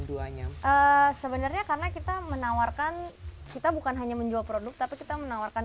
duanya sebenarnya karena kita menawarkan kita bukan hanya menjual produk tapi kita menawarkan